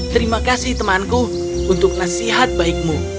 terima kasih temanku untuk nasihat baikmu